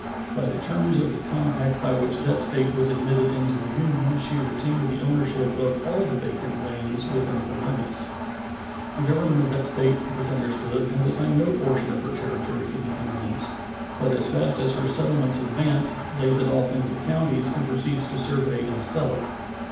By the terms of the compact by which that State was admitted into the Union she retained the ownership of all the vacant lands within her limits. The government of that State, it is understood, has assigned no portion of her territory to the Indians, but as fast as her settlements advance lays it off into counties and proceeds to survey and sell it.